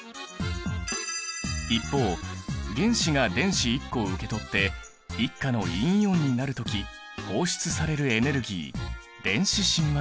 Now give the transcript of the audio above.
一方原子が電子１個を受け取って１価の陰イオンになる時放出されるエネルギー電子親和力。